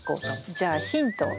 じゃあヒントを。